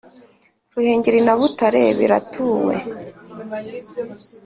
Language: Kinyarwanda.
ruhengeri na butare biratuwe